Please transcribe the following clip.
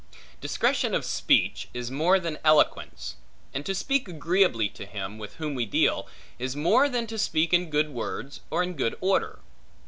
Discretion of speech, is more than eloquence; and to speak agreeably to him, with whom we deal, is more than to speak in good words, or in good order.